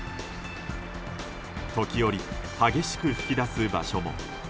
時折、激しく噴き出す場所も。